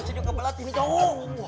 saya juga kebelet ini cowok